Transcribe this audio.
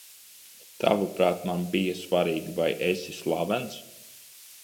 Tavuprāt, man bija svarīgi, vai esi slavens?